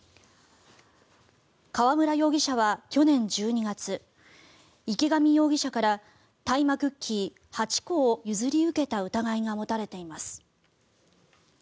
川村容疑者は去年１２月池上容疑者から大麻クッキー８個を譲り受けた疑いが持たれています。